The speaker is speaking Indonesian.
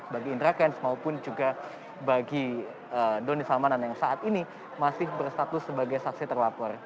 bagi indra kents maupun juga bagi doni salmanan yang saat ini masih berstatus sebagai saksi terlapor